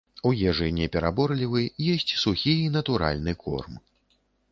У ежы не пераборлівы, есць сухі і натуральны корм.